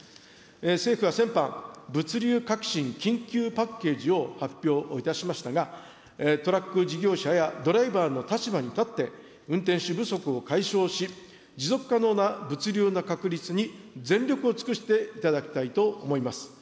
政府は先般、物流革新緊急パッケージを発表いたしましたが、トラック事業者やドライバーの立場に立って、運転手不足を解消し、持続可能な物流の確立に全力を尽くしていただきたいと思います。